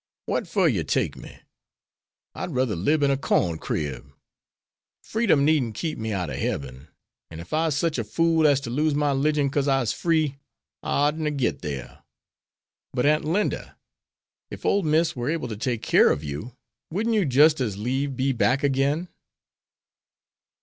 Wat fer you take me? I'd ruther lib in a corn crib. Freedom needn't keep me outer heben; an' ef I'se sich a fool as ter lose my 'ligion cause I'se free, I oughtn' ter git dere." "But, Aunt Linda, if old Miss were able to take care of you, wouldn't you just as leave be back again?"